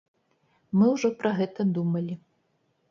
Мы ўжо пра гэта думалі.